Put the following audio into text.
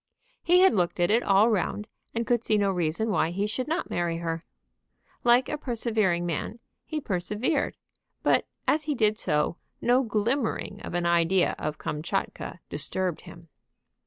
He had looked at it all round, and could see no reason why he should not marry her. Like a persevering man, he persevered; but as he did so, no glimmering of an idea of Kamtchatka disturbed him.